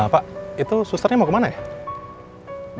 pak itu susternya mau kemana ya